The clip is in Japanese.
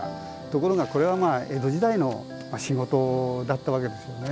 ところがこれは江戸時代の仕事だったわけですよね。